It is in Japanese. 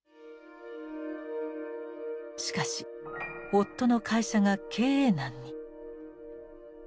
しかし夫の会社が経営難に。